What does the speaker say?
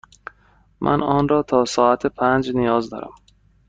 من آن را تا ساعت پنج نیاز دارم.